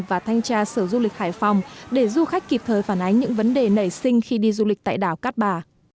và thanh tra sở du lịch hải phòng để du khách kịp thời phản ánh những vấn đề nảy sinh khi đi du lịch tại đảo cát bà